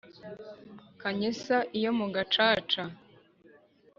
kanyesa iyo mu gacaca